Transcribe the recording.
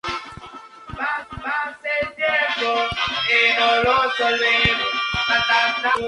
Este grupo es mencionado en la serie televisiva Los Simpson.